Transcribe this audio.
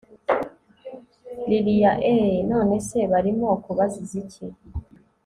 lilian eheee! nonese barimo kubaziza iki!